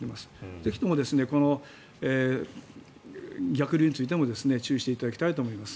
ぜひとも逆流についても注意していただきたいと思います。